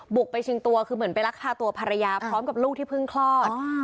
บุกไปชิงตัวคือเหมือนไปรักพาตัวภรรยาพร้อมกับลูกที่เพิ่งคลอด